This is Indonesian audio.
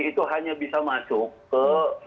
itu hanya bisa masuk